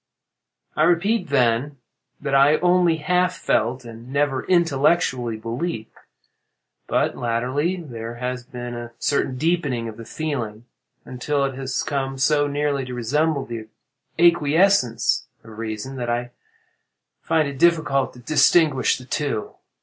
"I repeat, then, that I only half felt, and never intellectually believed. But latterly there has been a certain deepening of the feeling, until it has come so nearly to resemble the acquiescence of reason, that I find it difficult to distinguish between the two.